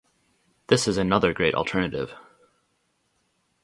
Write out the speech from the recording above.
this is another great alternative